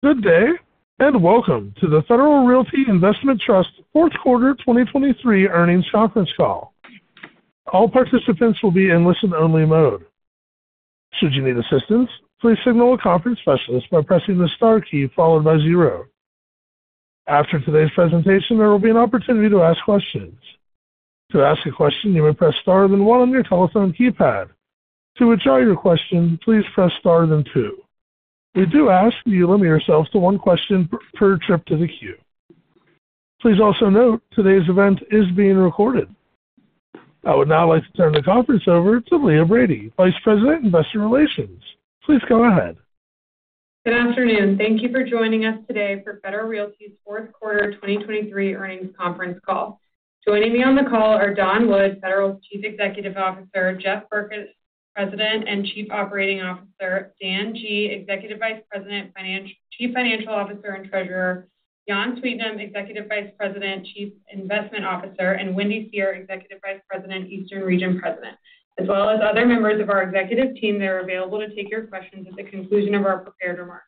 Good day, and welcome to the Federal Realty Investment Trust Fourth Quarter 2023 Earnings Conference Call. All participants will be in listen-only mode. Should you need assistance, please signal a conference specialist by pressing the star key followed by zero. After today's presentation, there will be an opportunity to ask questions. To ask a question, you may press Star, then one on your telephone keypad. To withdraw your question, please press Star, then two. We do ask that you limit yourselves to one question per trip to the queue. Please also note, today's event is being recorded. I would now like to turn the conference over to Leah Brady, Vice President, Investor Relations. Please go ahead. Good afternoon. Thank you for joining us today for Federal Realty's Fourth Quarter 2023 Earnings Conference Call. Joining me on the call are Don Wood, Federal's Chief Executive Officer; Jeff Berkes, President and Chief Operating Officer; Dan Guglielmone, Executive Vice President, Chief Financial Officer, and Treasurer; Jan Sweetnam, Executive Vice President, Chief Investment Officer; and Wendy Seher, Executive Vice President, Eastern Region President, as well as other members of our executive team that are available to take your questions at the conclusion of our prepared remarks.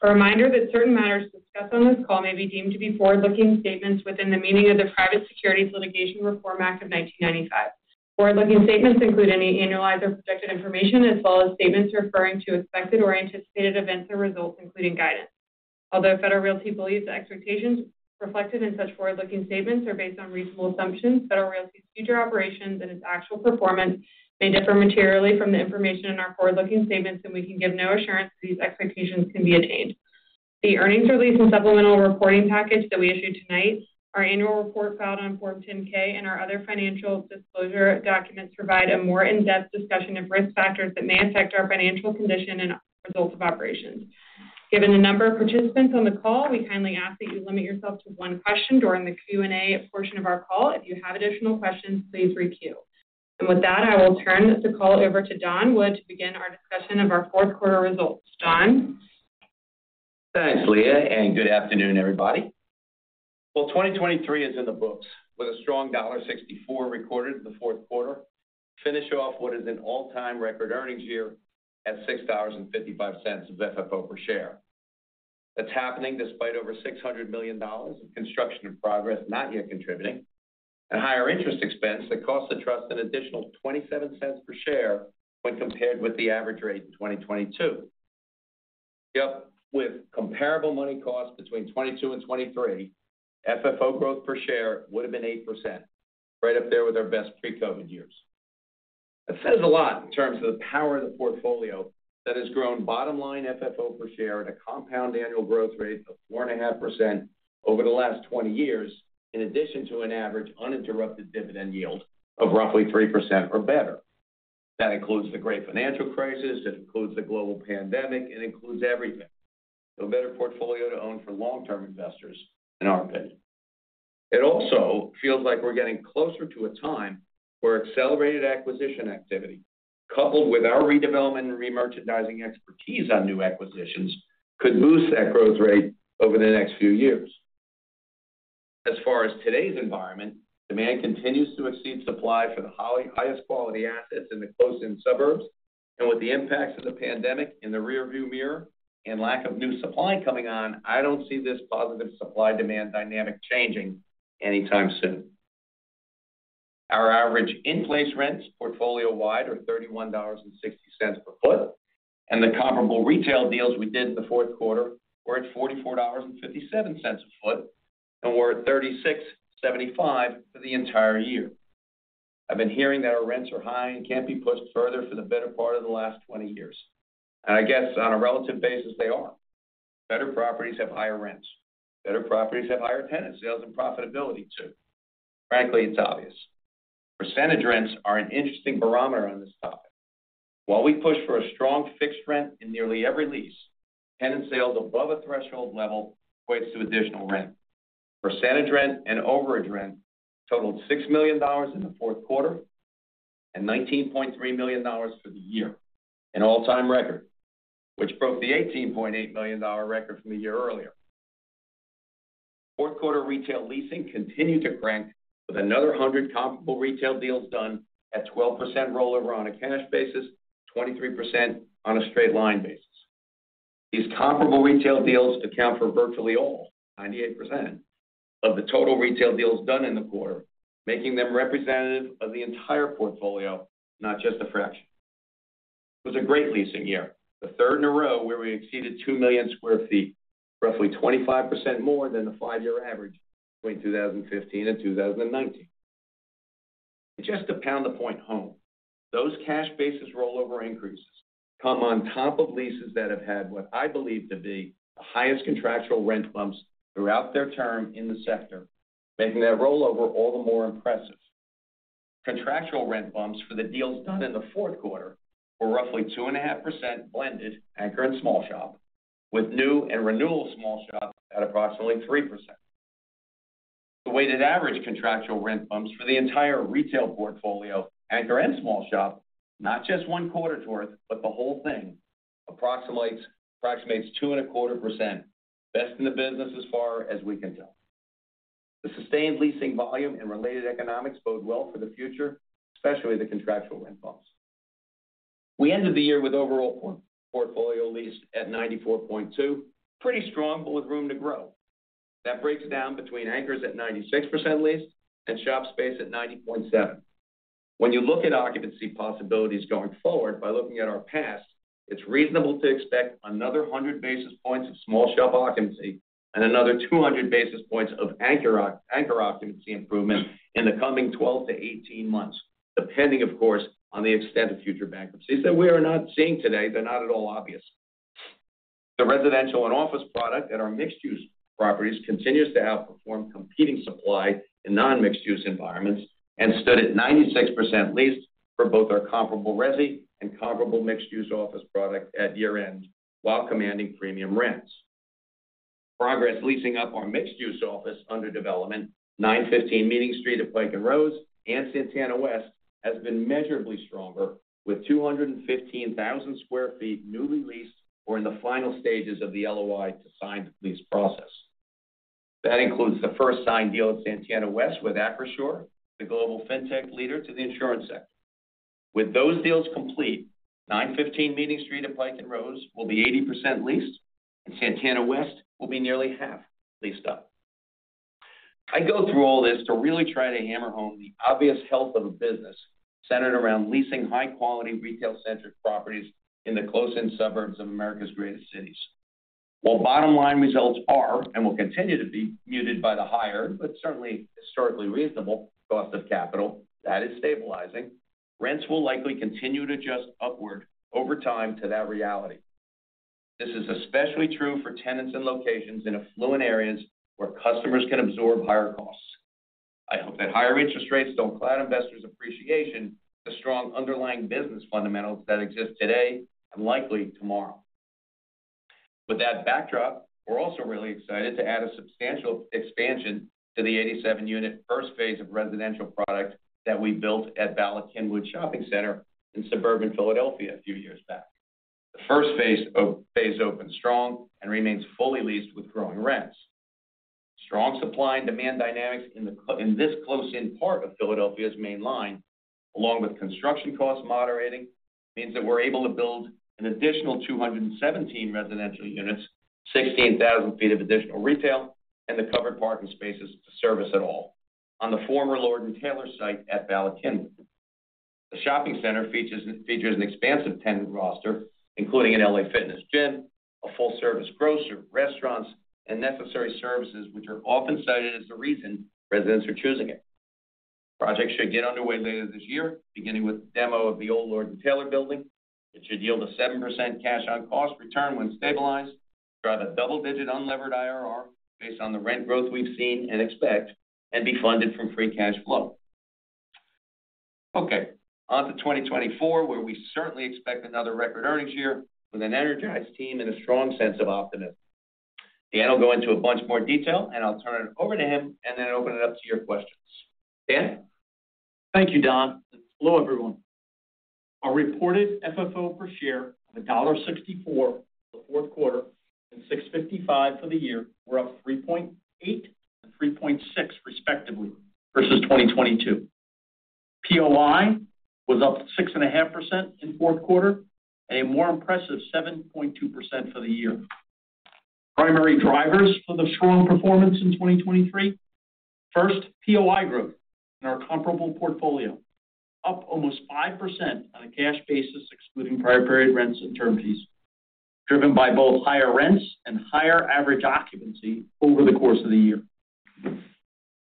A reminder that certain matters discussed on this call may be deemed to be forward-looking statements within the meaning of the Private Securities Litigation Reform Act of 1995. Forward-looking statements include any annualized or projected information, as well as statements referring to expected or anticipated events or results, including guidance. Although Federal Realty believes the expectations reflected in such forward-looking statements are based on reasonable assumptions, Federal Realty's future operations and its actual performance may differ materially from the information in our forward-looking statements, and we can give no assurance these expectations can be attained. The earnings release and supplemental reporting package that we issued tonight, our annual report filed on Form 10-K, and our other financial disclosure documents provide a more in-depth discussion of risk factors that may affect our financial condition and results of operations. Given the number of participants on the call, we kindly ask that you limit yourself to one question during the Q&A portion of our call. If you have additional questions, please requeue. And with that, I will turn this call over to Don Wood to begin our discussion of our fourth quarter results. Don? Thanks, Leah, and good afternoon, everybody. Well, 2023 is in the books, with a strong $1.64 recorded in the fourth quarter to finish off what is an all-time record earnings year at $6.55 of FFO per share. That's happening despite over $600 million of construction in progress, not yet contributing, and higher interest expense that cost the trust an additional $0.27 per share when compared with the average rate in 2022. Yep, with comparable money costs between 2022 and 2023, FFO growth per share would have been 8%, right up there with our best pre-COVID years. That says a lot in terms of the power of the portfolio that has grown bottom line FFO per share at a compound annual growth rate of 4.5% over the last 20 years, in addition to an average uninterrupted dividend yield of roughly 3% or better. That includes the great financial crisis, it includes the global pandemic, it includes everything. So better portfolio to own for long-term investors, in our opinion. It also feels like we're getting closer to a time where accelerated acquisition activity, coupled with our redevelopment and remerchandising expertise on new acquisitions, could boost that growth rate over the next few years. As far as today's environment, demand continues to exceed supply for the highest quality assets in the close-in suburbs, and with the impacts of the pandemic in the rearview mirror and lack of new supply coming on, I don't see this positive supply-demand dynamic changing anytime soon. Our average in-place rents portfolio-wide are $31.60 per foot, and the comparable retail deals we did in the fourth quarter were at $44.57 a foot, and we're at $36.75 for the entire year. I've been hearing that our rents are high and can't be pushed further for the better part of the last 20 years. And I guess on a relative basis, they are. Better properties have higher rents. Better properties have higher tenant sales and profitability, too. Frankly, it's obvious. Percentage rents are an interesting barometer on this topic. While we push for a strong fixed rent in nearly every lease, tenant sales above a threshold level equates to additional rent. Percentage rent and overage rent totaled $6 million in the fourth quarter and $19.3 million for the year, an all-time record, which broke the $18.8 million record from a year earlier. Fourth quarter retail leasing continued to crank with another 100 comparable retail deals done at 12% rollover on a cash basis, 23% on a straight line basis. These comparable retail deals account for virtually all, 98%, of the total retail deals done in the quarter, making them representative of the entire portfolio, not just a fraction. It was a great leasing year, the third in a row where we exceeded 2 million sq ft, roughly 25% more than the 5-year average between 2015 and 2019. Just to pound the point home, those cash basis rollover increases come on top of leases that have had what I believe to be the highest contractual rent bumps throughout their term in the sector, making their rollover all the more impressive. Contractual rent bumps for the deals done in the fourth quarter were roughly 2.5% blended, anchor and small shop, with new and renewal small shop at approximately 3%. The weighted average contractual rent bumps for the entire retail portfolio, anchor and small shop, not just one quarter fourth, but the whole thing, approximates, approximates 2.25%. Best in the business as far as we can tell. The sustained leasing volume and related economics bode well for the future, especially the contractual rent bumps. We ended the year with overall portfolio leased at 94.2, pretty strong, but with room to grow. That breaks down between anchors at 96% leased and shop space at 90.7. When you look at occupancy possibilities going forward by looking at our past, it's reasonable to expect another 100 basis points of small shop occupancy and another 200 basis points of anchor anchor occupancy improvement in the coming 12-18 months, depending, of course, on the extent of future bankruptcies that we are not seeing today. They're not at all obvious. The residential and office product at our mixed-use properties continues to outperform competing supply in non-mixed use environments and stood at 96% leased for both our comparable resi and comparable mixed-use office product at year-end, while commanding premium rents. Progress leasing up our mixed-use office under development, 915 Meeting Street at Pike & Rose and Santana West, has been measurably stronger, with 215,000 sq ft newly leased or in the final stages of the LOI to sign the lease process. That includes the first signed deal at Santana West with Acrisure, the global fintech leader to the insurance sector. With those deals complete, 915 Meeting Street at Pike & Rose will be 80% leased, and Santana West will be nearly half leased up. I go through all this to really try to hammer home the obvious health of a business centered around leasing high-quality, retail-centric properties in the close-in suburbs of America's greatest cities. While bottom line results are and will continue to be muted by the higher, but certainly historically reasonable cost of capital, that is stabilizing. Rents will likely continue to adjust upward over time to that reality. This is especially true for tenants and locations in affluent areas where customers can absorb higher costs. I hope that higher interest rates don't cloud investors' appreciation, the strong underlying business fundamentals that exist today and likely tomorrow. With that backdrop, we're also really excited to add a substantial expansion to the 87-unit, first phase of residential product that we built at Bala Cynwyd Shopping Center in suburban Philadelphia a few years back. The first phase opened strong and remains fully leased with growing rents. Strong supply and demand dynamics in this close-in part of Philadelphia's Main Line, along with construction costs moderating, means that we're able to build an additional 217 residential units, 16,000 sq ft of additional retail, and the covered parking spaces to service it all on the former Lord & Taylor site at Bala Cynwyd. The shopping center features an expansive tenant roster, including an LA Fitness gym, a full-service grocer, restaurants, and necessary services, which are often cited as the reason residents are choosing it. Projects should get underway later this year, beginning with demo of the old Lord & Taylor building. It should yield a 7% cash on cost return when stabilized, drive a double-digit unlevered IRR based on the rent growth we've seen and expect, and be funded from free cash flow. Okay, on to 2024, where we certainly expect another record earnings year with an energized team and a strong sense of optimism. Dan will go into a bunch more detail, and I'll turn it over to him and then open it up to your questions. Dan? Thank you, Don. Hello, everyone. Our reported FFO per share of $1.64 for the fourth quarter and $6.55 for the year were up 3.8% and 3.6%, respectively, versus 2022. POI was up 6.5% in fourth quarter and a more impressive 7.2% for the year. Primary drivers for the strong performance in 2023. First, POI growth in our comparable portfolio, up almost 5% on a cash basis, excluding prior period rents and term fees, driven by both higher rents and higher average occupancy over the course of the year.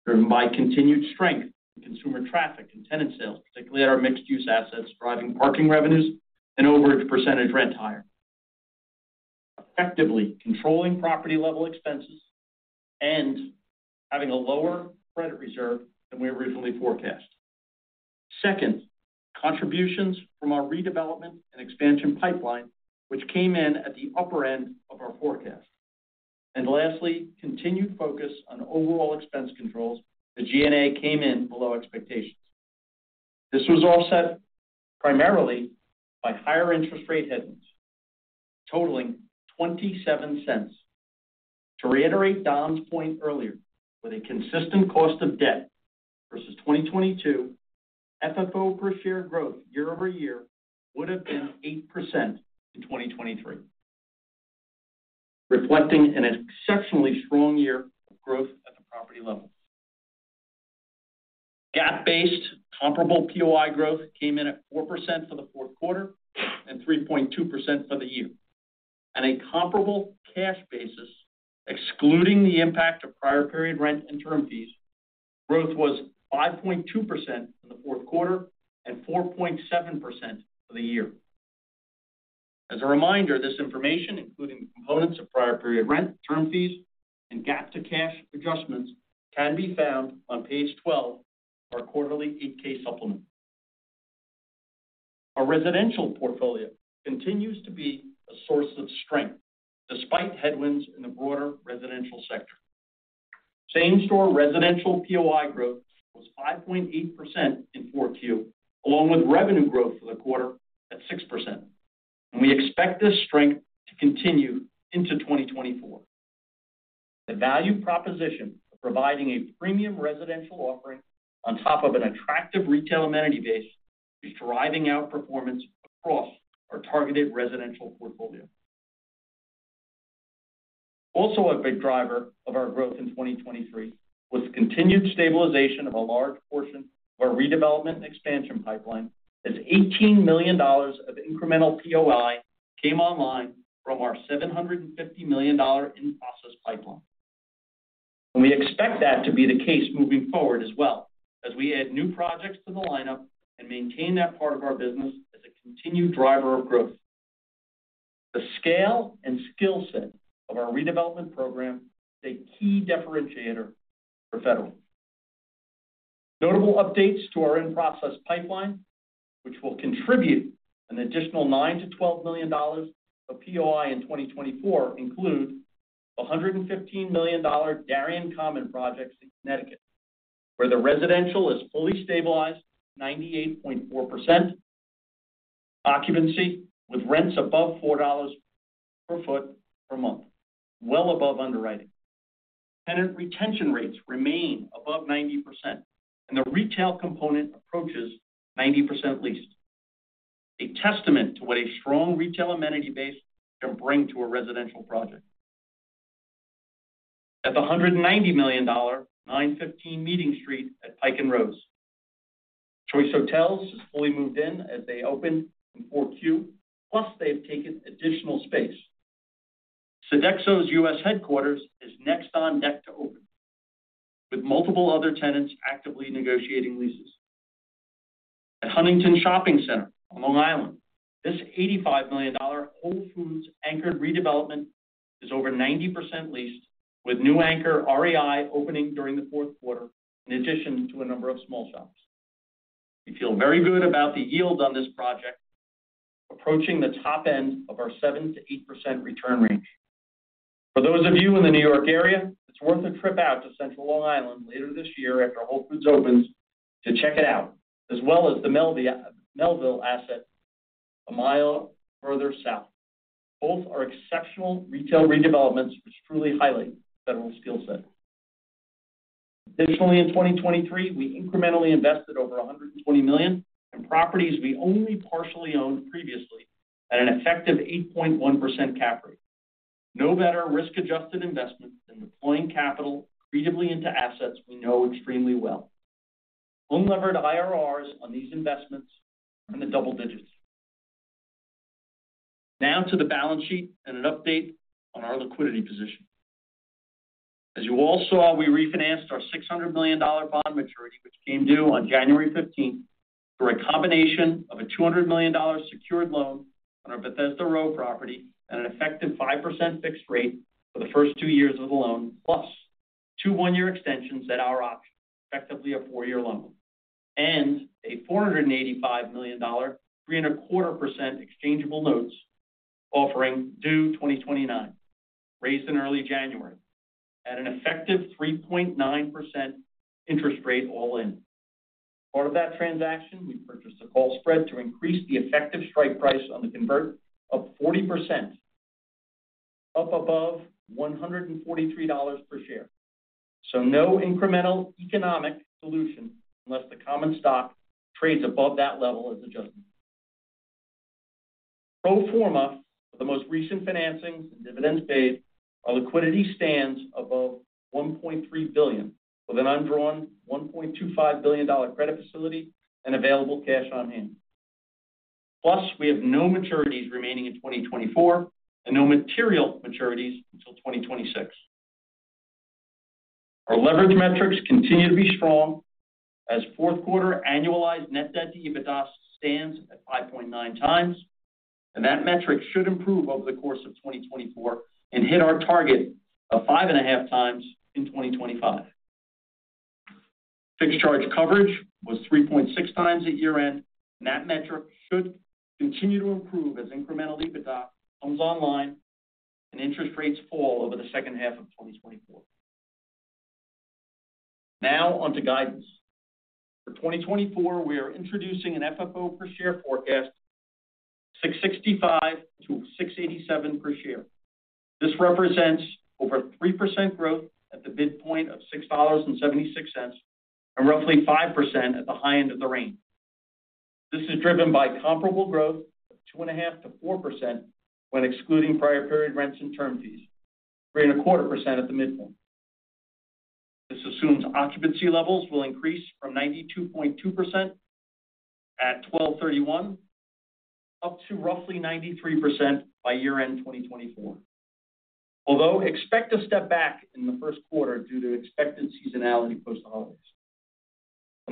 Driven by continued strength in consumer traffic and tenant sales, particularly at our mixed-use assets, driving parking revenues and overage percentage rent higher. Effectively, controlling property-level expenses and having a lower credit reserve than we originally forecast. Second, contributions from our redevelopment and expansion pipeline, which came in at the upper end of our forecast. Lastly, continued focus on overall expense controls. The G&A came in below expectations. This was offset primarily by higher interest rate headwinds, totaling $0.27. To reiterate Don's point earlier, with a consistent cost of debt versus 2022, FFO per share growth year-over-year would have been 8% in 2023, reflecting an exceptionally strong year of growth at the property level. GAAP-based comparable POI growth came in at 4% for the fourth quarter and 3.2% for the year. On a comparable cash basis, excluding the impact of prior period rent and term fees, growth was 5.2% in the fourth quarter and 4.7% for the year. As a reminder, this information, including the components of prior period rent, term fees, and GAAP to cash adjustments, can be found on page 12 of our quarterly 8-K supplement. Our residential portfolio continues to be a source of strength despite headwinds in the broader residential sector. Same-store residential POI growth was 5.8% in 4Q, along with revenue growth for the quarter at 6%.... And we expect this strength to continue into 2024. The value proposition of providing a premium residential offering on top of an attractive retail amenity base is driving outperformance across our targeted residential portfolio. Also, a big driver of our growth in 2023 was the continued stabilization of a large portion of our redevelopment and expansion pipeline, as $18 million of incremental POI came online from our $750 million in-process pipeline. We expect that to be the case moving forward as well, as we add new projects to the lineup and maintain that part of our business as a continued driver of growth. The scale and skill set of our redevelopment program is a key differentiator for Federal. Notable updates to our in-process pipeline, which will contribute an additional $9-$12 million of POI in 2024, include a $115 million Darien Commons project in Connecticut, where the residential is fully stabilized, 98.4% occupancy, with rents above $4 per sq ft per month, well above underwriting. Tenant retention rates remain above 90%, and the retail component approaches 90% leased. A testament to what a strong retail amenity base can bring to a residential project. At the $190 million, 915 Meeting Street at Pike & Rose. Choice Hotels has fully moved in as they opened in Q4, plus they've taken additional space. Sodexo's U.S. headquarters is next on deck to open, with multiple other tenants actively negotiating leases. At Huntington Shopping Center on Long Island, this $85 million Whole Foods anchored redevelopment is over 90% leased, with new anchor REI opening during the fourth quarter, in addition to a number of small shops. We feel very good about the yield on this project, approaching the top end of our 7%-8% return range. For those of you in the New York area, it's worth a trip out to central Long Island later this year after Whole Foods opens to check it out, as well as the Melville asset, a mile further south. Both are exceptional retail redevelopments, which truly highlight Federal's skill set. Additionally, in 2023, we incrementally invested over $120 million in properties we only partially owned previously at an effective 8.1% cap rate. No better risk-adjusted investment than deploying capital creatively into assets we know extremely well. Unlevered IRRs on these investments are in the double digits. Now to the balance sheet and an update on our liquidity position. As you all saw, we refinanced our $600 million bond maturity, which came due on January 15, for a combination of a $200 million secured loan on our Bethesda Row property at an effective 5% fixed rate for the first 2 years of the loan, plus two 1-year extensions at our option, effectively a 4-year loan, and a $485 million, 3.25% exchangeable notes, offering due 2029, raised in early January at an effective 3.9% interest rate all in. As part of that transaction, we purchased a call spread to increase the effective strike price on the convert of 40%, up above $143 per share. So no incremental economic dilution, unless the common stock trades above that level as adjusted. Pro forma, for the most recent financings and dividends paid, our liquidity stands above $1.3 billion, with an undrawn $1.25 billion credit facility and available cash on hand. Plus, we have no maturities remaining in 2024, and no material maturities until 2026. Our leverage metrics continue to be strong as fourth quarter annualized net debt to EBITDA stands at 5.9x, and that metric should improve over the course of 2024 and hit our target of 5.5x in 2025. Fixed charge coverage was 3.6x at year-end, and that metric should continue to improve as incremental EBITDA comes online and interest rates fall over the second half of 2024. Now on to guidance. For 2024, we are introducing an FFO per share forecast, $6.65-$6.87 per share. This represents over 3% growth at the midpoint of $6.76, and roughly 5% at the high end of the range. This is driven by comparable growth of 2.5%-4% when excluding prior period rents and term fees, 3.25% at the midpoint. This assumes occupancy levels will increase from 92.2% at 12/31, up to roughly 93% by year-end 2024. Although, expect a step back in the first quarter due to expected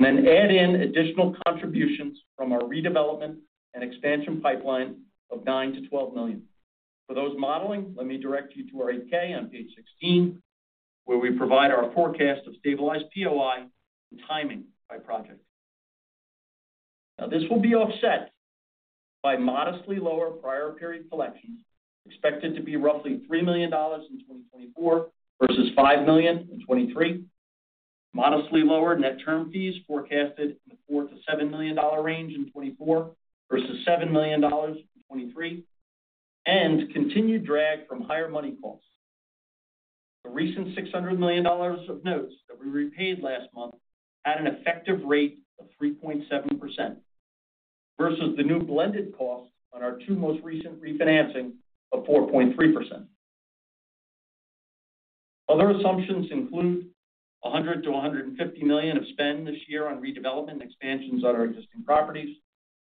seasonality post-holidays. Then add in additional contributions from our redevelopment and expansion pipeline of $9 million-$12 million. For those modeling, let me direct you to our 10-K on page 16, where we provide our forecast of stabilized POI and timing by project. Now, this will be offset by modestly lower prior period collections, expected to be roughly $3 million in 2024 versus $5 million in 2023. Modestly lower net term fees forecasted in the $4 million-$7 million range in 2024, versus $7 million in 2023, and continued drag from higher money costs. The recent $600 million of notes that we repaid last month had an effective rate of 3.7%, versus the new blended cost on our two most recent refinancing of 4.3%. Other assumptions include $100 million-$150 million of spend this year on redevelopment and expansions at our existing properties.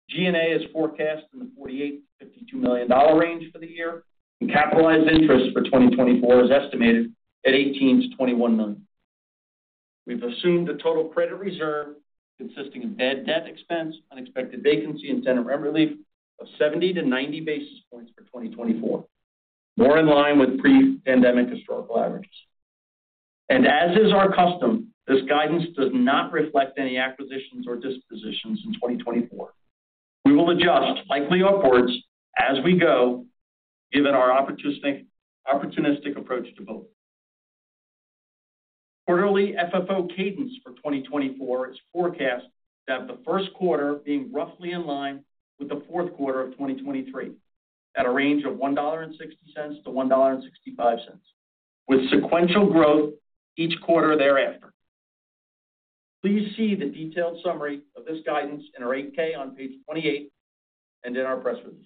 G&A is forecast in the $48 million-$52 million range for the year, and capitalized interest for 2024 is estimated at $18 million-$21 million. We've assumed a total credit reserve consisting of bad debt expense, unexpected vacancy, and tenant rent relief of 70-90 basis points for 2024, more in line with pre-pandemic historical averages. As is our custom, this guidance does not reflect any acquisitions or dispositions in 2024. We will adjust, likely upwards, as we go, given our opportunistic, opportunistic approach to both. Quarterly FFO cadence for 2024 is forecast to have the first quarter being roughly in line with the fourth quarter of 2023, at a range of $1.60-$1.65, with sequential growth each quarter thereafter. Please see the detailed summary of this guidance in our 8-K on page 28 and in our press release.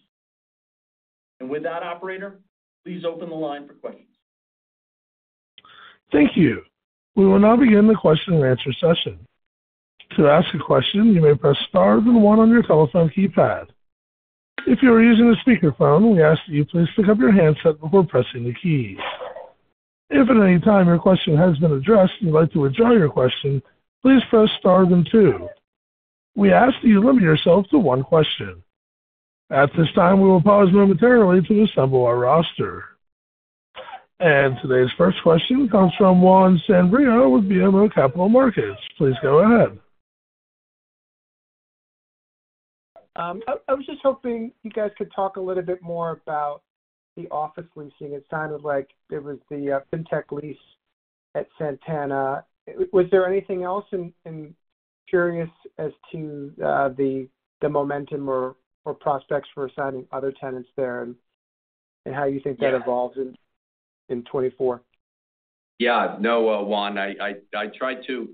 With that, operator, please open the line for questions. Thank you. We will now begin the question and answer session. To ask a question, you may press star then one on your telephone keypad. If you are using a speakerphone, we ask that you please pick up your handset before pressing the keys. If at any time your question has been addressed, and you'd like to withdraw your question, please press star then two. We ask that you limit yourself to one question. At this time, we will pause momentarily to assemble our roster. Today's first question comes from Juan Sanabria with BMO Capital Markets. Please go ahead. I was just hoping you guys could talk a little bit more about the office leasing. It sounded like it was the fintech lease at Santana. Was there anything else? And curious as to the momentum or prospects for signing other tenants there and how you think that evolves in 2024. Yeah. No, Juan, I tried to,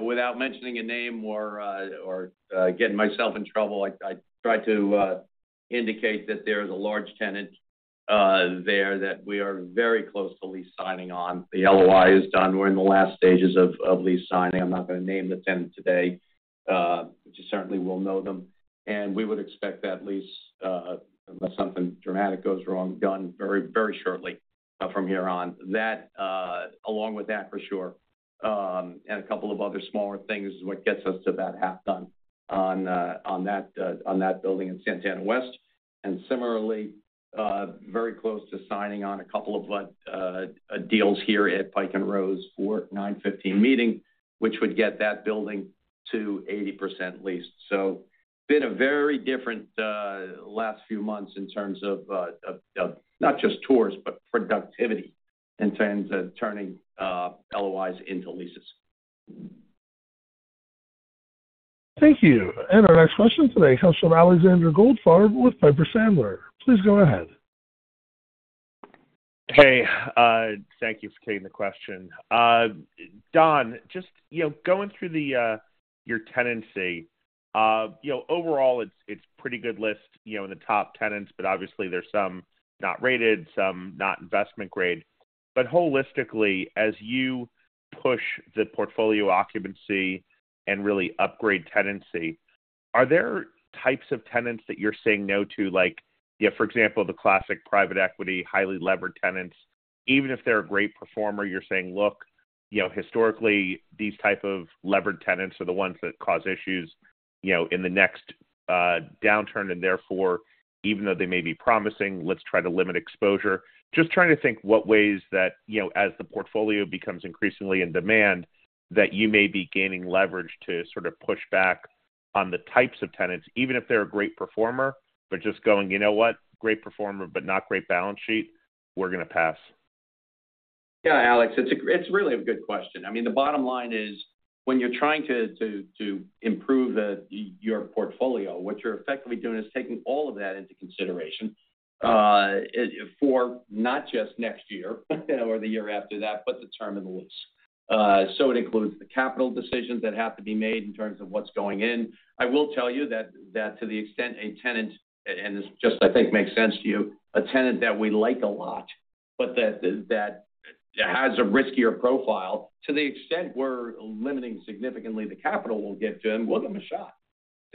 without mentioning a name or getting myself in trouble, I tried to indicate that there is a large tenant there that we are very close to lease signing on. The LOI is done. We're in the last stages of lease signing. I'm not going to name the tenant today, but you certainly will know them, and we would expect that lease, unless something dramatic goes wrong, done very, very shortly from here on. That, along with that, for sure, and a couple of other smaller things is what gets us to about half done on that building in Santana West. And similarly, very close to signing on a couple of deals here at Pike & Rose for 915 Meeting Street, which would get that building to 80% leased. So been a very different last few months in terms of of not just tours, but productivity, in terms of turning LOIs into leases. Thank you. Our next question today comes from Alexander Goldfarb with Piper Sandler. Please go ahead. Hey, thank you for taking the question. Don, just, you know, going through the, your tenancy, you know, overall it's, it's pretty good list, you know, in the top tenants, but obviously there's some not rated, some not investment grade. But holistically, as you push the portfolio occupancy and really upgrade tenancy, are there types of tenants that you're saying no to? Like, yeah, for example, the classic private equity, highly levered tenants. Even if they're a great performer, you're saying, look, you know, historically, these type of levered tenants are the ones that cause issues, you know, in the next, downturn, and therefore, even though they may be promising, let's try to limit exposure. Just trying to think what ways that, you know, as the portfolio becomes increasingly in demand, that you may be gaining leverage to sort of push back on the types of tenants, even if they're a great performer, but just going, "You know what? Great performer, but not great balance sheet, we're gonna pass. Yeah, Alex, it's really a good question. I mean, the bottom line is, when you're trying to improve your portfolio, what you're effectively doing is taking all of that into consideration, for not just next year, or the year after that, but the term of the lease. So it includes the capital decisions that have to be made in terms of what's going in. I will tell you that to the extent a tenant, and this just, I think, makes sense to you, a tenant that we like a lot, but that has a riskier profile, to the extent we're limiting significantly the capital we'll give to them, we'll give them a shot.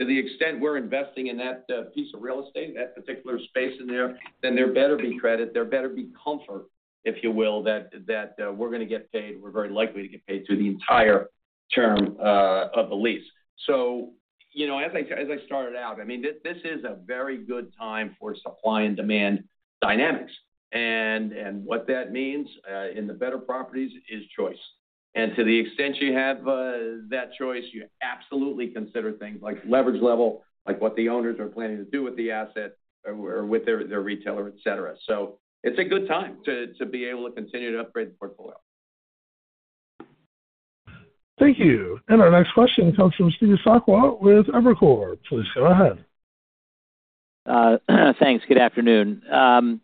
To the extent we're investing in that, piece of real estate, that particular space in there, then there better be credit, there better be comfort, if you will, that, that, we're gonna get paid, we're very likely to get paid through the entire term, of the lease. So, you know, as I, as I started out, I mean, this, this is a very good time for supply and demand dynamics. And, and what that means, in the better properties is choice. And to the extent you have, that choice, you absolutely consider things like leverage level, like what the owners are planning to do with the asset or, or with their, their retailer, et cetera. So it's a good time to, to be able to continue to upgrade the portfolio. Thank you. Our next question comes from Steve Sakwa with Evercore. Please go ahead. Thanks. Good afternoon. Don,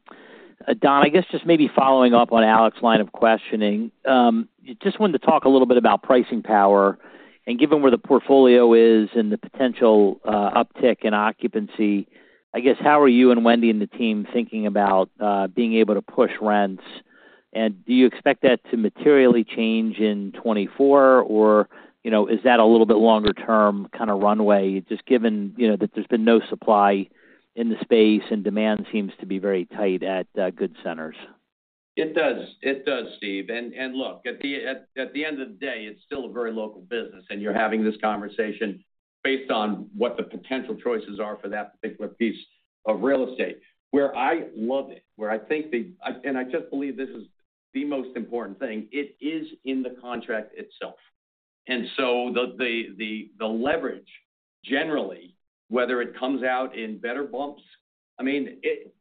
I guess just maybe following up on Alex's line of questioning, just wanted to talk a little bit about pricing power and given where the portfolio is and the potential uptick in occupancy, I guess, how are you and Wendy and the team thinking about being able to push rents? And do you expect that to materially change in 2024, or, you know, is that a little bit longer-term kind of runway, just given, you know, that there's been no supply in the space, and demand seems to be very tight at good centers? It does. It does, Steve. And look, at the end of the day, it's still a very local business, and you're having this conversation based on what the potential choices are for that particular piece of real estate. Where I love it, where I think the, I and I just believe this is the most important thing, it is in the contract itself. And so the leverage, generally, whether it comes out in better bumps, I mean, it,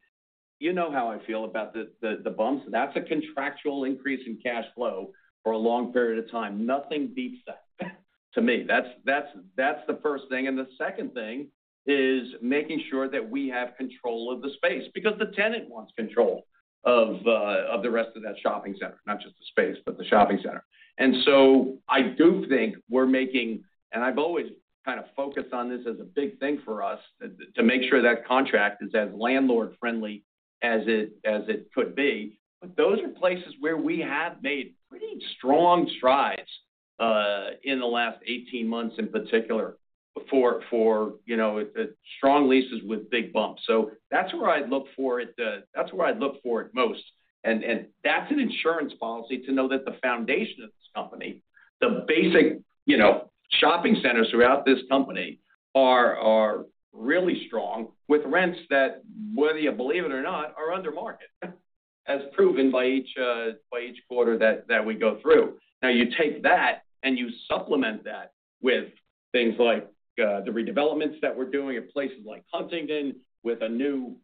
you know how I feel about the bumps. That's a contractual increase in cash flow for a long period of time. Nothing beats that to me. That's the first thing. The second thing is making sure that we have control of the space because the tenant wants control of the rest of that shopping center, not just the space, but the shopping center. So I do think we're making... I've always kind of focused on this as a big thing for us, to make sure that contract is as landlord-friendly as it could be. But those are places where we have made pretty strong strides in the last 18 months, in particular, for you know, strong leases with big bumps. So that's where I'd look for it, that's where I'd look for it most. And that's an insurance policy to know that the foundation of this company, the basic, you know, shopping centers throughout this company are really strong, with rents that, whether you believe it or not, are under market, as proven by each by each quarter that we go through. Now, you take that, and you supplement that with things like the redevelopments that we're doing at places like Huntington, with a new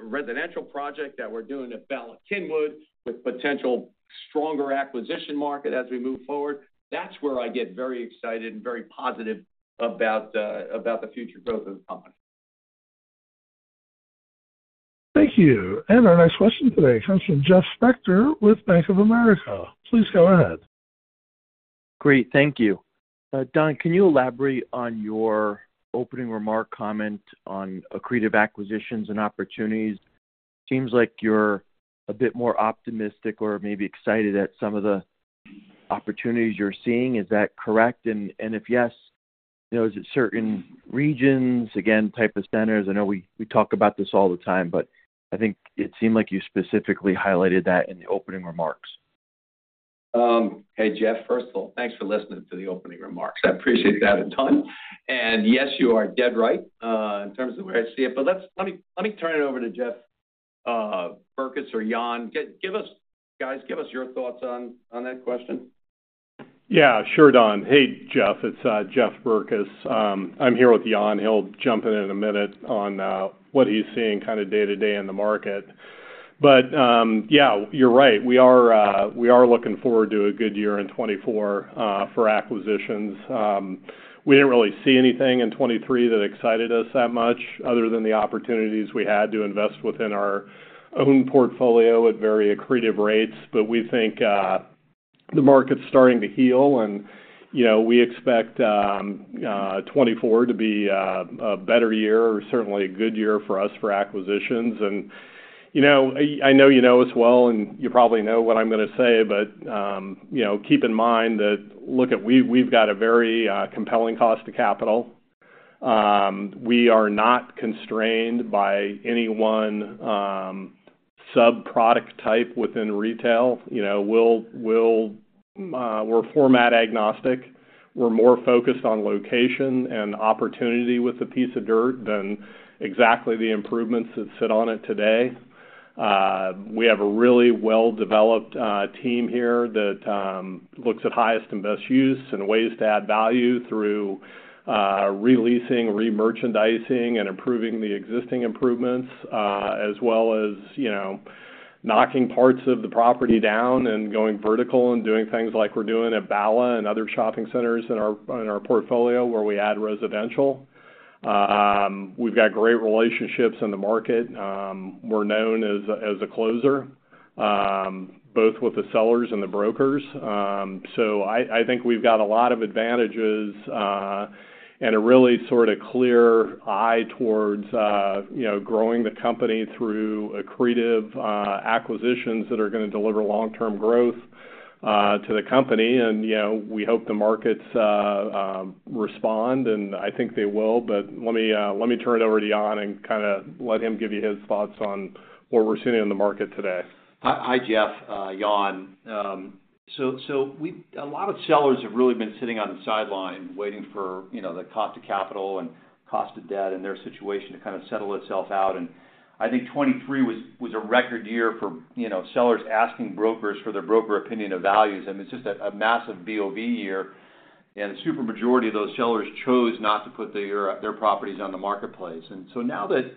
residential project that we're doing at Bala Cynwyd, with potential stronger acquisition market as we move forward. That's where I get very excited and very positive about the future growth of the company. Thank you. And our next question today comes from Jeff Spector with Bank of America. Please go ahead. Great. Thank you. Don, can you elaborate on your opening remark comment on accretive acquisitions and opportunities? Seems like you're a bit more optimistic or maybe excited at some of the opportunities you're seeing. Is that correct? And if yes, you know, is it certain regions, again, type of centers? I know we talk about this all the time, but I think it seemed like you specifically highlighted that in the opening remarks. Hey, Jeff. First of all, thanks for listening to the opening remarks. I appreciate that a ton. And yes, you are dead right, in terms of the way I see it. But let's—let me, let me turn it over to Jeff Berkes or Jan. Give us, guys, give us your thoughts on, on that question. Yeah, sure, Don. Hey, Jeff, it's Jeff Berkes. I'm here with Jan. He'll jump in in a minute on what he's seeing kind of day-to-day in the market. But yeah, you're right. We are looking forward to a good year in 2024 for acquisitions. We didn't really see anything in 2023 that excited us that much other than the opportunities we had to invest within our own portfolio at very accretive rates. But we think the market's starting to heal and, you know, we expect 2024 to be a better year, or certainly a good year for us for acquisitions. You know, I know you know as well, and you probably know what I'm going to say, but you know, keep in mind that, look, we've got a very compelling cost to capital. We are not constrained by any one sub-product type within retail. You know, we'll, we'll, we're format agnostic. We're more focused on location and opportunity with a piece of dirt than exactly the improvements that sit on it today. We have a really well-developed team here that looks at highest and best use and ways to add value through releasing, remerchandising, and improving the existing improvements, as well as, you know, knocking parts of the property down and going vertical and doing things like we're doing at Bala and other shopping centers in our portfolio, where we add residential. We've got great relationships in the market. We're known as, as a closer, both with the sellers and the brokers. So I, I think we've got a lot of advantages, and a really sort of clear eye towards, you know, growing the company through accretive, acquisitions that are going to deliver long-term growth, to the company. And, you know, we hope the markets respond, and I think they will. But let me, let me turn it over to Jan and kind of let him give you his thoughts on where we're sitting in the market today. Hi, Jeff, Jan. So, a lot of sellers have really been sitting on the sidelines waiting for, you know, the cost of capital and cost of debt and their situation to kind of settle itself out. And I think 2023 was a record year for, you know, sellers asking brokers for their broker opinion of values, and it's just a massive BOV year. And the super majority of those sellers chose not to put their, their properties on the marketplace. And so now that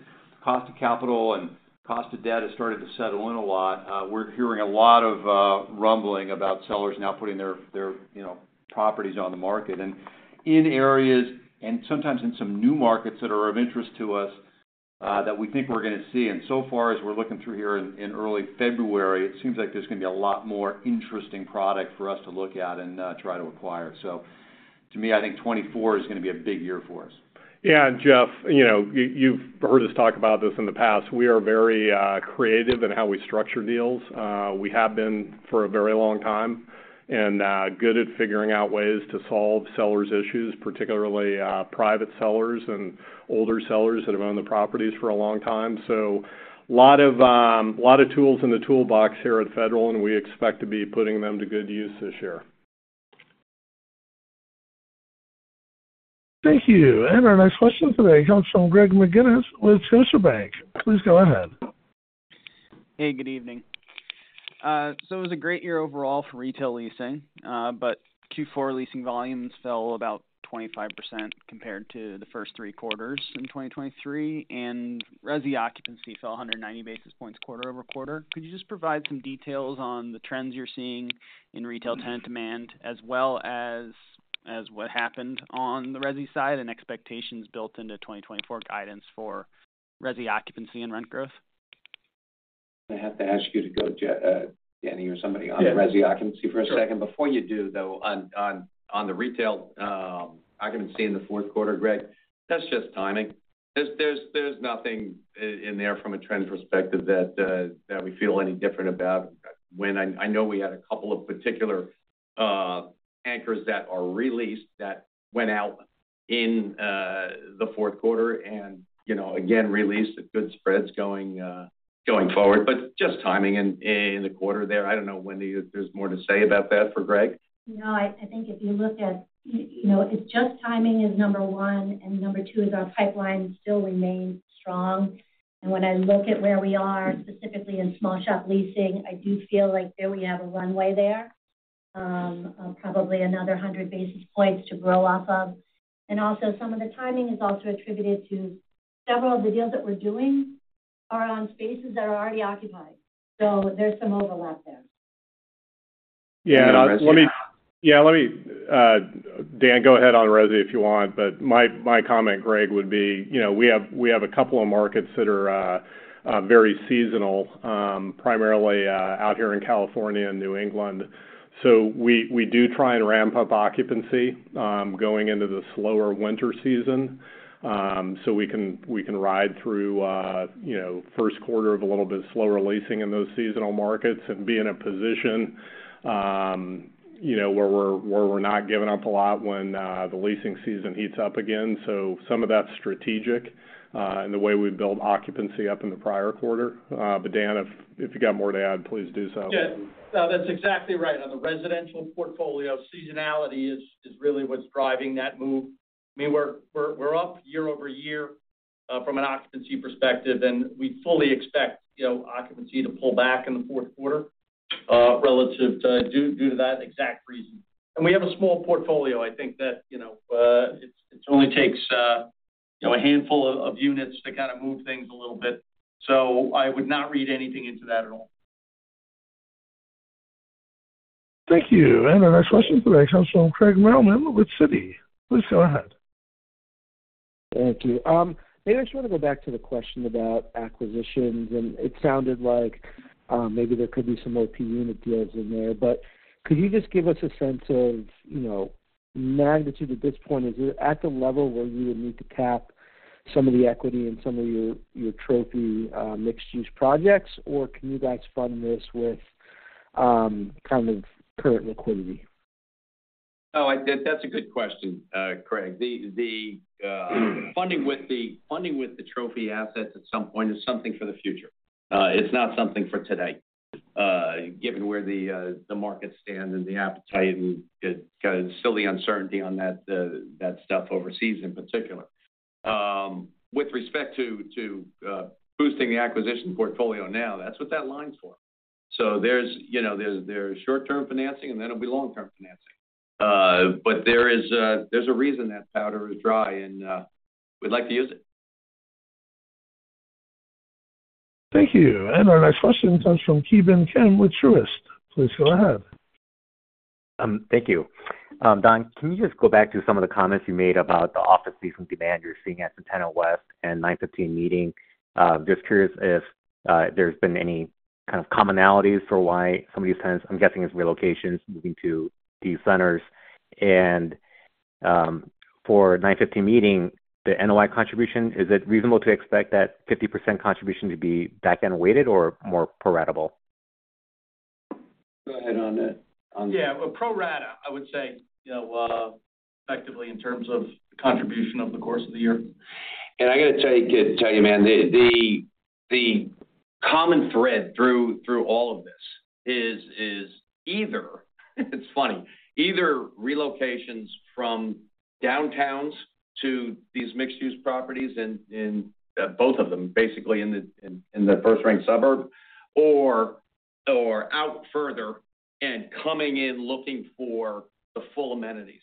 cost of capital and cost of debt has started to settle in a lot, we're hearing a lot of, rumbling about sellers now putting their, their, you know, properties on the market. And in areas, and sometimes in some new markets that are of interest to us, that we think we're gonna see. And so far, as we're looking through here in, in early February, it seems like there's gonna be a lot more interesting product for us to look at and, try to acquire. So to me, I think 2024 is gonna be a big year for us. Yeah, and Jeff, you know, you've heard us talk about this in the past. We are very creative in how we structure deals. We have been for a very long time, and good at figuring out ways to solve sellers' issues, particularly private sellers and older sellers that have owned the properties for a long time. So a lot of tools in the toolbox here at Federal, and we expect to be putting them to good use this year. Thank you. Our next question today comes from Greg McGinnis with Scotiabank. Please go ahead. Hey, good evening. So it was a great year overall for retail leasing, but Q4 leasing volumes fell about 25% compared to the first three quarters in 2023, and resi occupancy fell 190 basis points quarter over quarter. Could you just provide some details on the trends you're seeing in retail tenant demand, as well as what happened on the resi side, and expectations built into 2024 guidance for resi occupancy and rent growth? I have to ask you to go, Jeff, Dan, or somebody, on resi occupancy for a second. Before you do, though, on the retail occupancy in the fourth quarter, Greg, that's just timing. There's nothing in there from a trends perspective that we feel any different about. I know we had a couple of particular anchors that are re-leased, that went out in the fourth quarter and, you know, again, re-leased at good spreads going forward, but just timing in the quarter there. I don't know, Wendy, if there's more to say about that for Greg? No, I think if you look at, you know, it's just timing is number one, and number two is our pipeline still remains strong. And when I look at where we are, specifically in small shop leasing, I do feel like there we have a runway there, of probably another 100 basis points to grow off of. And also, some of the timing is also attributed to several of the deals that we're doing are on spaces that are already occupied, so there's some overlap there. Yeah. Let me. Yeah, let me, Dan, go ahead on resi if you want, but my comment, Greg, would be, you know, we have a couple of markets that are very seasonal, primarily out here in California and New England. So we do try and ramp up occupancy going into the slower winter season, so we can ride through, you know, first quarter of a little bit slower leasing in those seasonal markets and be in a position, you know, where we're not giving up a lot when the leasing season heats up again. So some of that's strategic in the way we build occupancy up in the prior quarter. But Dan, if you got more to add, please do so. Yeah. No, that's exactly right. On the residential portfolio, seasonality is really what's driving that move. I mean, we're up year-over-year from an occupancy perspective, and we fully expect, you know, occupancy to pull back in the fourth quarter relative to due to that exact reason. And we have a small portfolio. I think that, you know, it only takes, you know, a handful of units to kind of move things a little bit, so I would not read anything into that at all. Thank you. Our next question today comes from Craig Mailman with Citi. Please go ahead. Thank you. I just want to go back to the question about acquisitions, and it sounded like, maybe there could be some more OP unit deals in there. But could you just give us a sense of, you know, magnitude at this point? Is it at the level where you would need to tap some of the equity in some of your, your trophy, mixed-use projects, or can you guys fund this with, kind of current liquidity? Oh, I think that's a good question, Craig. The funding with the trophy assets at some point is something for the future. It's not something for today, given where the market stands and the appetite and the kind of still the uncertainty on that stuff overseas in particular. With respect to boosting the acquisition portfolio now, that's what that line's for. So there's, you know, there's short-term financing, and then there'll be long-term financing. But there's a reason that powder is dry, and we'd like to use it. Thank you. And our next question comes from Ki Bin Kim with Truist. Please go ahead. Thank you. Don, can you just go back to some of the comments you made about the office leasing demand you're seeing at Santana West and 915 Meeting Street? Just curious if there's been any kind of commonalities for why some of these tenants, I'm guessing it's relocations, moving to these centers? For 915 Meeting Street, the NOI contribution, is it reasonable to expect that 50% contribution to be back-end weighted or more pro ratable? Go ahead on that, on the- Yeah, pro rata, I would say, you know, effectively, in terms of contribution over the course of the year. And I gotta tell you, man, the common thread through all of this is either, it's funny, either relocations from downtowns to these mixed-use properties in both of them, basically in the first-rank suburb or out further and coming in, looking for the full amenities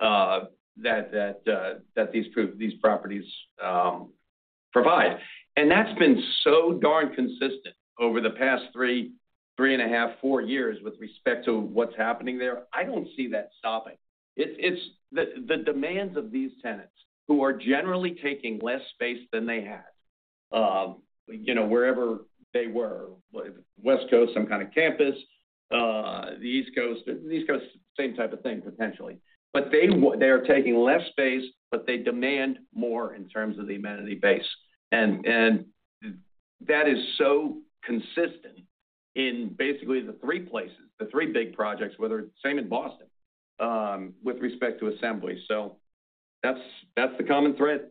that these properties provide. And that's been so darn consistent over the past 3, 3.5, 4 years with respect to what's happening there. I don't see that stopping. It's the demands of these tenants, who are generally taking less space than they had, you know, wherever they were. West Coast, some kind of campus, the East Coast. The East Coast, same type of thing, potentially. But they are taking less space, but they demand more in terms of the amenity base. And, and that is so consistent in basically the three places, the three big projects, whether same in Boston, with respect to Assembly. So that's, that's the common thread.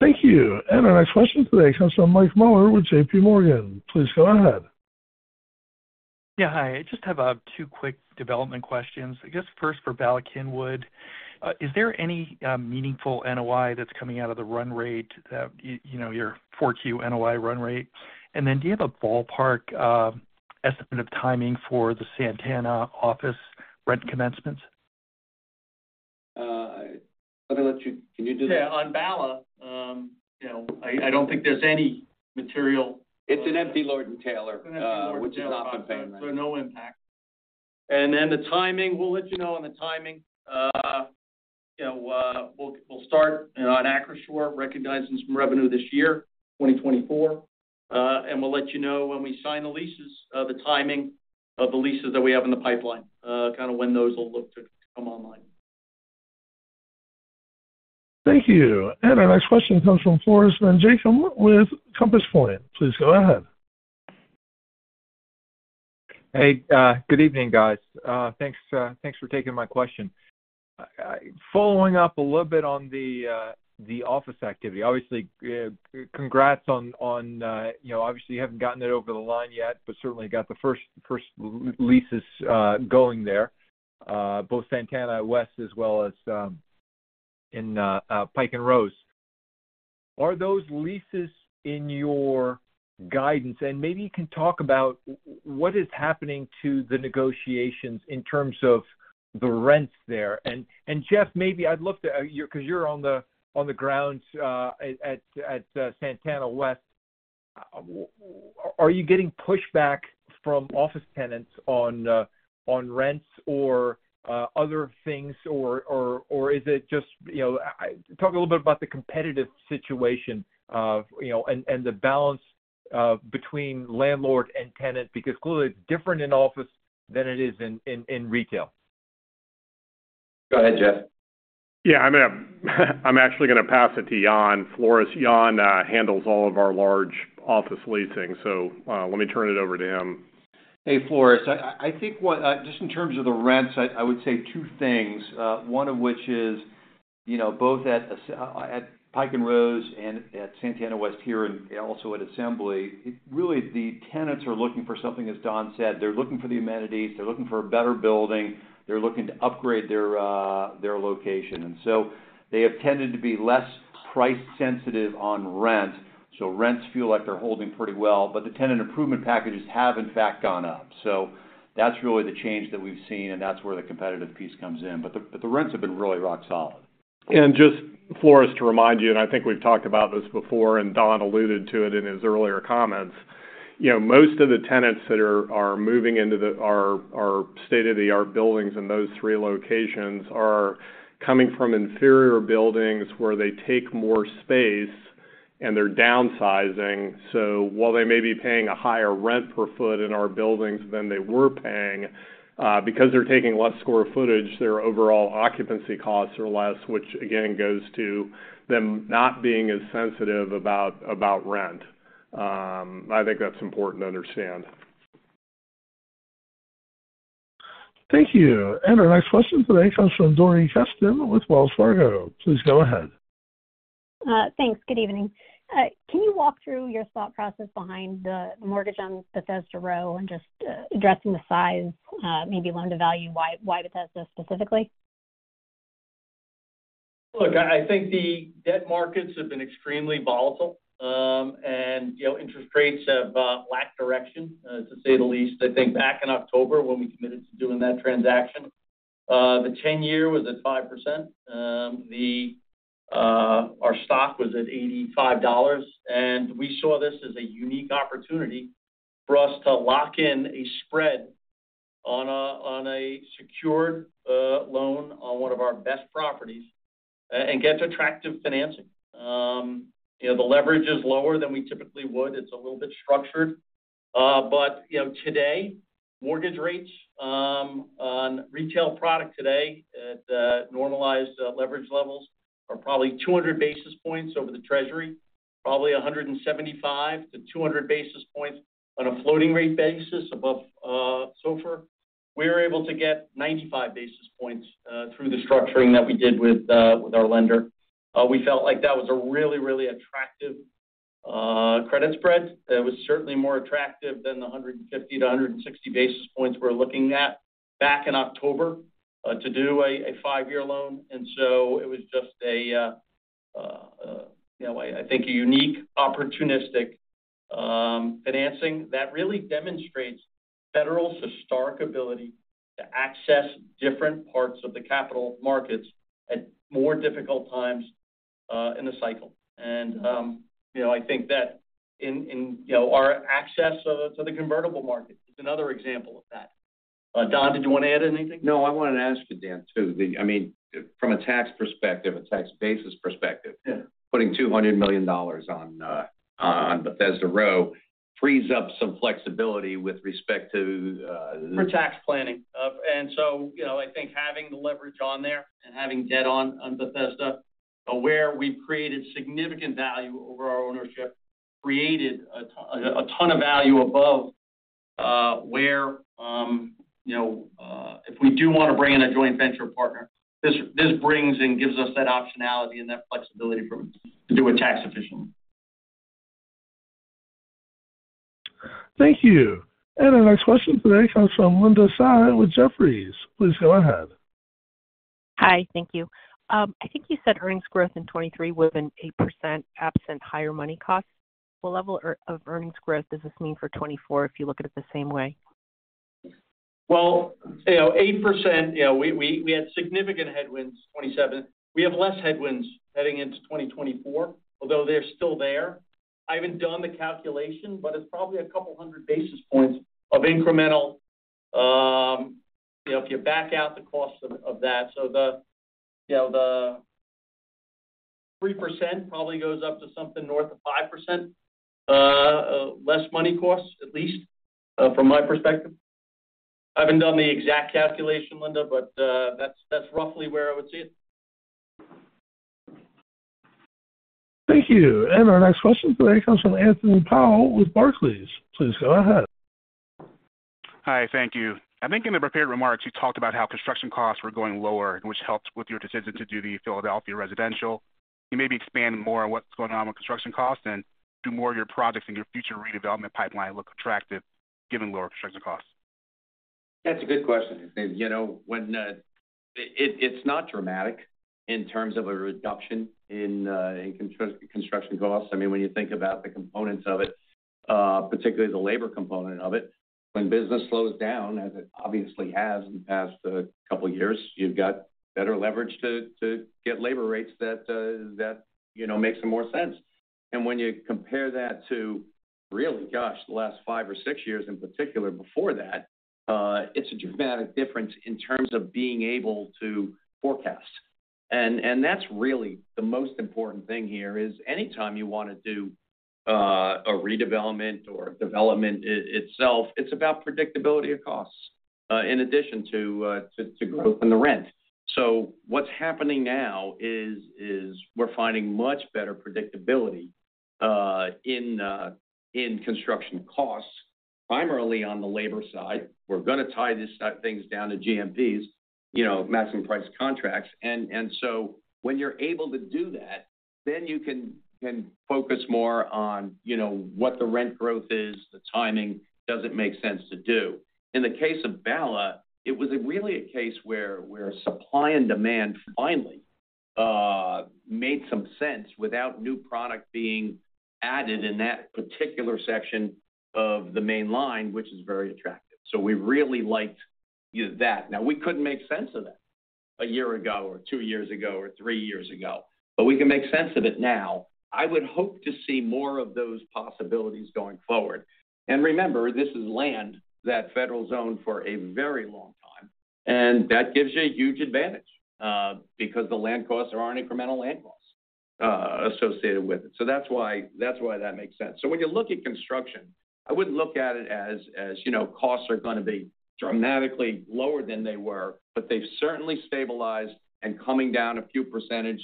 Thank you. Our next question today comes from Mike Mueller with J.P. Morgan. Please go ahead. Yeah, hi. I just have two quick development questions, I guess, first for Bala Cynwyd. Is there any meaningful NOI that's coming out of the run rate, you know, your 4Q NOI run rate? And then, do you have a ballpark estimate of timing for the Santana office rent commencement? I'm going to let you. Can you do that? Yeah, on Bala, you know, I don't think there's any material- It's an empty Lord & Taylor- An empty Lord & Taylor. which has not been paying rent. So no impact. Then, the timing, we'll let you know on the timing. You know, we'll start on Acrisure, recognizing some revenue this year, 2024. And we'll let you know when we sign the leases, the timing of the leases that we have in the pipeline, kind of, when those will look to come online. Thank you. Our next question comes from Floris van Dijkum with Compass Point. Please go ahead. Hey, good evening, guys. Thanks for taking my question. Following up a little bit on the office activity. Obviously, congrats on, you know, obviously, you haven't gotten it over the line yet, but certainly got the first leases going there, both Santana West as well as in Pike & Rose. Are those leases in your guidance? And maybe you can talk about what is happening to the negotiations in terms of the rents there. And, Jeff, maybe I'd love to you because you're on the grounds at Santana West. Are you getting pushback from office tenants on rents or other things? Or is it just, you know... Talk a little bit about the competitive situation, you know, and the balance between landlord and tenant, because clearly, it's different in office than it is in retail. Go ahead, Jeff. Yeah, I'm actually going to pass it to Jan, Floris. Jan handles all of our large office leasing, so let me turn it over to him. Hey, Floris. I think what just in terms of the rents, I would say two things. One of which is, you know, both at Pike & Rose and at Santana West here and also at Assembly. Really, the tenants are looking for something, as Don said, they're looking for the amenities, they're looking for a better building, they're looking to upgrade their their location. And so they have tended to be less price sensitive on rent, so rents feel like they're holding pretty well. But the tenant improvement packages have in fact gone up. So that's really the change that we've seen, and that's where the competitive piece comes in. But the rents have been really rock solid. Just, Floris, to remind you, and I think we've talked about this before, and Don alluded to it in his earlier comments. You know, most of the tenants that are moving into our state-of-the-art buildings in those three locations are coming from inferior buildings where they take more space, and they're downsizing. So while they may be paying a higher rent per foot in our buildings than they were paying, because they're taking less square footage, their overall occupancy costs are less, which, again, goes to them not being as sensitive about rent. I think that's important to understand. Thank you. Our next question today comes from Dori Kesten with Wells Fargo. Please go ahead. Thanks. Good evening. Can you walk through your thought process behind the mortgage on Bethesda Row? And just, maybe loan to value, why, why Bethesda specifically? Look, I think the debt markets have been extremely volatile. You know, interest rates have lacked direction to say the least. I think back in October, when we committed to doing that transaction, the 10-year was at 5%. Our stock was at $85, and we saw this as a unique opportunity for us to lock in a spread on a secured loan on one of our best properties and get attractive financing. You know, the leverage is lower than we typically would. It's a little bit structured. But you know, today, mortgage rates on retail product today at normalized leverage levels are probably 200 basis points over the Treasury. Probably 175-200 basis points on a floating rate basis above SOFR. We were able to get 95 basis points through the structuring that we did with our lender. We felt like that was a really, really attractive credit spread. It was certainly more attractive than the 150-160 basis points we're looking at back in October to do a five-year loan. And so it was just a, you know, I think a unique, opportunistic financing that really demonstrates Federal's historic ability to access different parts of the capital markets at more difficult times in the cycle. And, you know, I think that our access to the convertible market is another example of that. Don, did you want to add anything? No, I wanted to ask you, Dan, too. I mean, from a tax perspective, a tax basis perspective- Yeah. - putting $200 million on, on Bethesda Row, frees up some flexibility with respect to- For tax planning. And so, you know, I think having the leverage on there and having debt on Bethesda, where we've created significant value over our ownership, created a ton of value above where, you know, if we do want to bring in a joint venture partner, this brings and gives us that optionality and that flexibility from to do it tax efficient. Thank you. Our next question today comes from Linda Tsai with Jefferies. Please go ahead. Hi, thank you. I think you said earnings growth in 2023 within 8%, absent higher money costs. What level of earnings growth does this mean for 2024, if you look at it the same way? Well, you know, 8%, you know, we had significant headwinds, 2027. We have less headwinds heading into 2024, although they're still there. I haven't done the calculation, but it's probably a couple hundred basis points of incremental, you know, if you back out the cost of that. So the, you know, the 3% probably goes up to something north of 5%, less money costs, at least, from my perspective. I haven't done the exact calculation, Linda, but that's roughly where I would see it. Thank you. Our next question today comes from Anthony Powell with Barclays. Please go ahead. Hi, thank you. I think in the prepared remarks, you talked about how construction costs were going lower, which helped with your decision to do the Philadelphia residential. Can you maybe expand more on what's going on with construction costs and do more of your projects and your future redevelopment pipeline look attractive, given lower construction costs? That's a good question. You know, when... It's not dramatic in terms of a reduction in construction costs. I mean, when you think about the components of it, particularly the labor component of it, when business slows down, as it obviously has in the past couple of years, you've got better leverage to get labor rates that, that, you know, make some more sense. And when you compare that to, really, gosh, the last five or six years in particular before that, it's a dramatic difference in terms of being able to forecast. And that's really the most important thing here, is anytime you want to do a redevelopment or development itself, it's about predictability of costs, in addition to, to growth in the rent. So what's happening now is we're finding much better predictability in construction costs, primarily on the labor side. We're going to tie these things down to GMPs, you know, maximum price contracts. And so when you're able to do that, then you can focus more on, you know, what the rent growth is, the timing, does it make sense to do? In the case of Bala, it was really a case where supply and demand finally made some sense without new product being added in that particular section of the Main Line, which is very attractive. So we really liked that. Now, we couldn't make sense of that a year ago or 2 years ago or 3 years ago, but we can make sense of it now. I would hope to see more of those possibilities going forward. And remember, this is land that Federal's owned for a very long time, and that gives you a huge advantage, because the land costs, there aren't incremental land costs, associated with it. So that's why, that's why that makes sense. So when you look at construction, I wouldn't look at it as, you know, costs are going to be dramatically lower than they were, but they've certainly stabilized and coming down a few percentage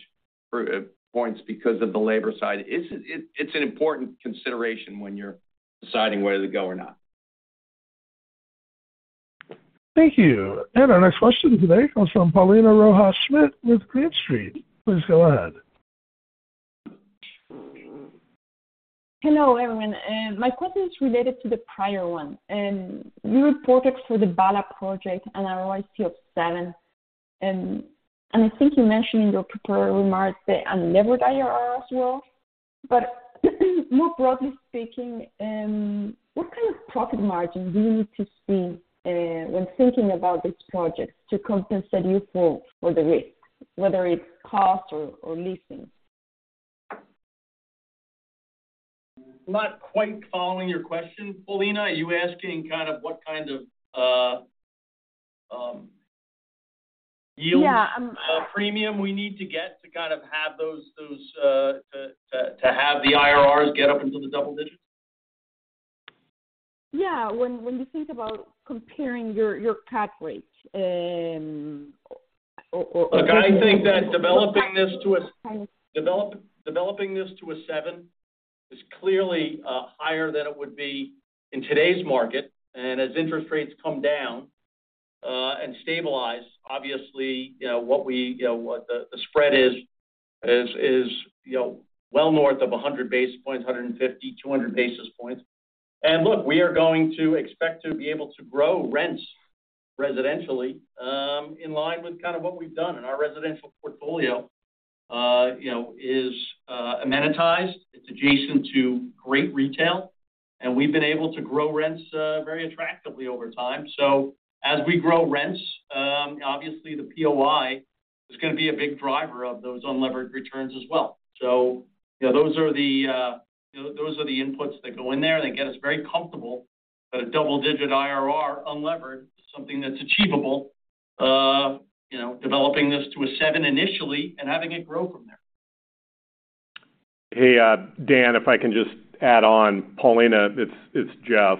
points because of the labor side. It's an important consideration when you're deciding whether to go or not. Thank you. And our next question today comes from Paulina Rojas Schmidt with Green Street. Please go ahead. Hello, everyone. My question is related to the prior one, and you reported for the Bala project an ROI of 7. And I think you mentioned in your prepared remarks that unlevered IRR as well. But just being more broadly speaking, what kind of profit margin do you need to see when thinking about these projects to compensate you for the risk, whether it's cost or leasing? I'm not quite following your question, Paulina. Are you asking kind of what kind of yield premium we need to get to kind of have those to have the IRRs get up into the double digits? Yeah. When you think about comparing your cap rates, or- Look, I think that developing this to a seven is clearly higher than it would be in today's market. And as interest rates come down and stabilize. Obviously, you know, what the spread is, you know, well north of 100 basis points, 150, 200 basis points. And look, we are going to expect to be able to grow rents residentially, in line with kind of what we've done. And our residential portfolio, you know, is amenitized. It's adjacent to great retail, and we've been able to grow rents very attractively over time. So as we grow rents, obviously, the POI is gonna be a big driver of those unlevered returns as well. So, you know, those are the, those are the inputs that go in there, and again, it's very comfortable, but a double-digit IRR unlevered, something that's achievable, you know, developing this to a 7 initially and having it grow from there. Hey, Dan, if I can just add on. Paulina, it's, it's Jeff.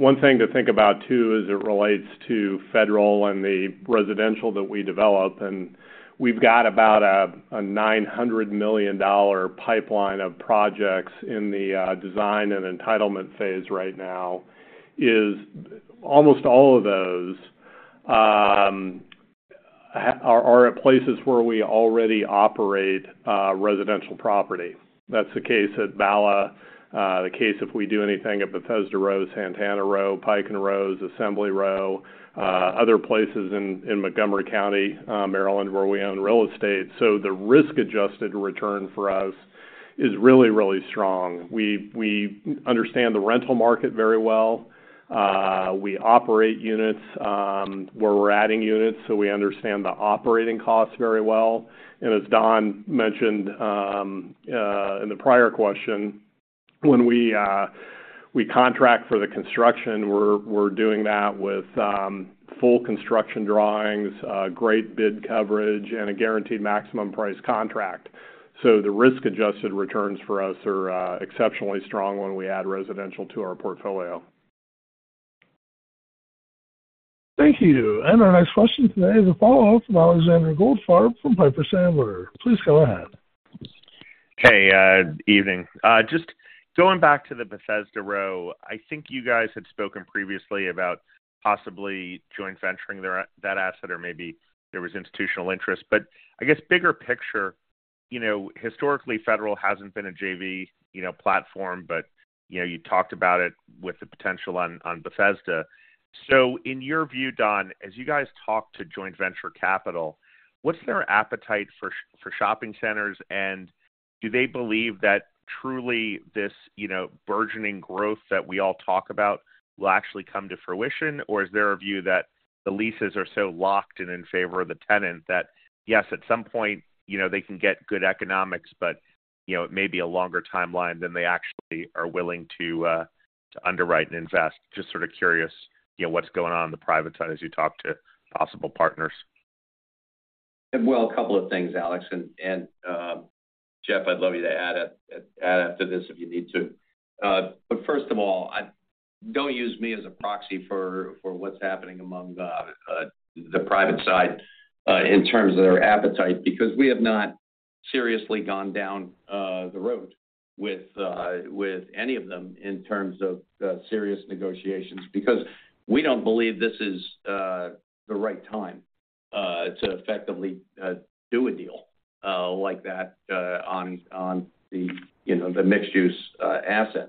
One thing to think about, too, as it relates to Federal and the residential that we develop, and we've got about $900 million pipeline of projects in the design and entitlement phase right now, is almost all of those are, are at places where we already operate residential property. That's the case at Bala, the case if we do anything at Bethesda Row, Santana Row, Pike & Rose, Assembly Row, other places in Montgomery County, Maryland, where we own real estate. So the risk-adjusted return for us is really, really strong. We, we understand the rental market very well. We operate units where we're adding units, so we understand the operating costs very well. As Don mentioned, in the prior question, when we contract for the construction, we're doing that with full construction drawings, great bid coverage, and a guaranteed maximum price contract. So the risk-adjusted returns for us are exceptionally strong when we add residential to our portfolio. Thank you. And our next question today is a follow-up from Alexander Goldfarb from Piper Sandler. Please go ahead. Hey, evening. Just going back to the Bethesda Row. I think you guys had spoken previously about possibly joint venturing that asset, or maybe there was institutional interest. But I guess bigger picture, you know, historically, Federal hasn't been a JV, you know, platform, but, you know, you talked about it with the potential on, on Bethesda. So in your view, Don, as you guys talk to joint venture capital, what's their appetite for shopping centers, and do they believe that truly this, you know, burgeoning growth that we all talk about will actually come to fruition? Or is there a view that the leases are so locked and in favor of the tenant that, yes, at some point, you know, they can get good economics, but, you know, it may be a longer timeline than they actually are willing to, to underwrite and invest? Just sort of curious, you know, what's going on in the private side as you talk to possible partners. Well, a couple of things, Alex, and Jeff, I'd love you to add after this if you need to. But first of all, don't use me as a proxy for what's happening among the private side in terms of their appetite, because we have not seriously gone down the road with any of them in terms of serious negotiations. Because we don't believe this is the right time to effectively do a deal like that on the mixed-use assets.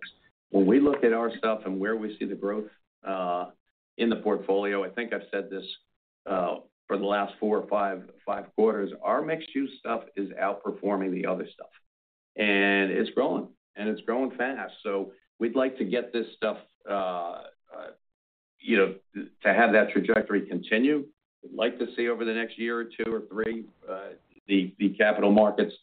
When we look at our stuff and where we see the growth in the portfolio, I think I've said this for the last four or five quarters, our mixed-use stuff is outperforming the other stuff, and it's growing, and it's growing fast. So we'd like to get this stuff, you know, to have that trajectory continue. We'd like to see over the next year or two or three, the capital markets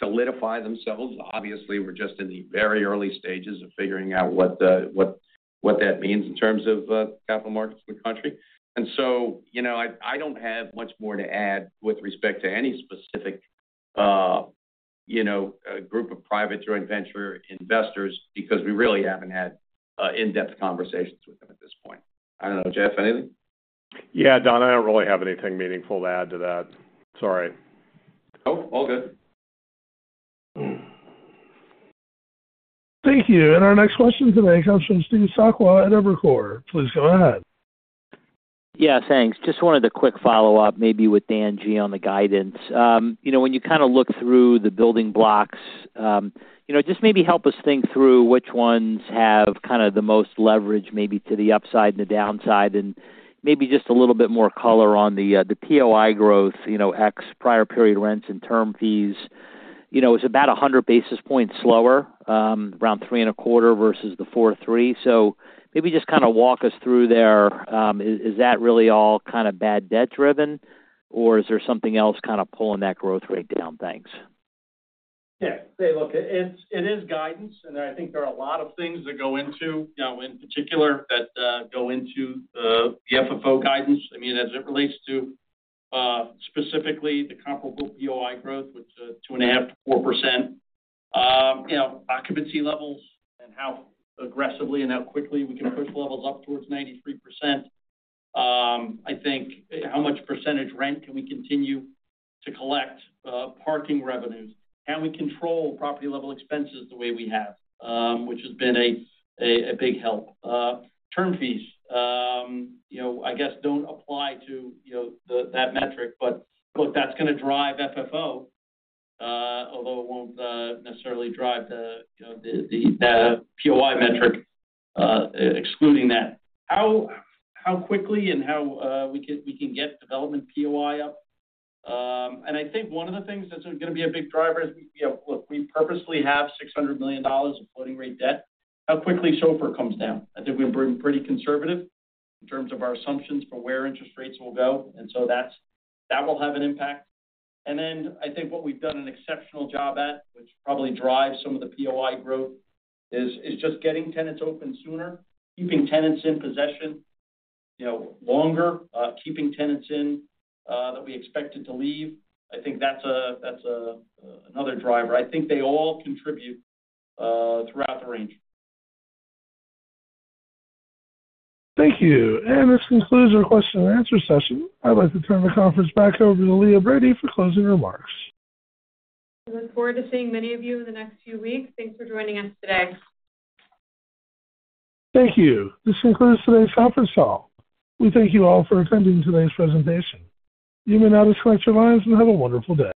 solidify themselves. Obviously, we're just in the very early stages of figuring out what the, what, what that means in terms of capital markets in the country. And so, you know, I don't have much more to add with respect to any specific, you know, group of private joint venture investors because we really haven't had in-depth conversations with them at this point. I don't know, Jeff, anything? Yeah, Don, I don't really have anything meaningful to add to that. Sorry. Oh, all good. Thank you. And our next question today comes from Steve Sakwa at Evercore. Please go ahead. Yeah, thanks. Just wanted a quick follow-up, maybe with Dan G. on the guidance. You know, when you kind of look through the building blocks, you know, just maybe help us think through which ones have kind of the most leverage, maybe to the upside and the downside, and maybe just a little bit more color on the, the POI growth, you know, X prior period rents and term fees. You know, it's about 100 basis points slower, around 3.25 versus the 4.3. So maybe just kind of walk us through there. Is, is that really all kind of bad debt-driven, or is there something else kind of pulling that growth rate down? Thanks. Yeah. Hey, look, it's, it is guidance, and I think there are a lot of things that go into, you know, in particular, that, go into, the FFO guidance. I mean, as it relates to, specifically the comparable POI growth, which is 2.5%-4%. You know, occupancy levels and how aggressively and how quickly we can push levels up towards 93%. I think how much percentage rent can we continue to collect, parking revenues? Can we control property-level expenses the way we have? Which has been a big help. Term fees, you know, I guess don't apply to, you know, the, that metric, but that's gonna drive FFO, although it won't necessarily drive the, you know, the, the POI metric, excluding that. How quickly and how we can get development POI up. And I think one of the things that's gonna be a big driver is, you know, look, we purposely have $600 million of floating rate debt, how quickly SOFR comes down. I think we're being pretty conservative in terms of our assumptions for where interest rates will go, and so that's that will have an impact. And then I think what we've done an exceptional job at, which probably drives some of the POI growth, is just getting tenants open sooner, keeping tenants in possession, you know, longer, keeping tenants in that we expected to leave. I think that's another driver. I think they all contribute throughout the range. Thank you. This concludes our question and answer session. I'd like to turn the conference back over to Leah Brady for closing remarks. We look forward to seeing many of you in the next few weeks. Thanks for joining us today. Thank you. This concludes today's conference call. We thank you all for attending today's presentation. You may now disconnect your lines and have a wonderful day.